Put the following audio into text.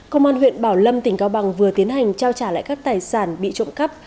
công an huyện bảo lâm tỉnh cao bằng vừa tiến hành trao trả lại các tài sản bị trộm cắp